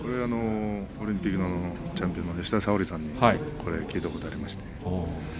オリンピックチャンピオンの吉田沙保里さんに聞いたことがありました。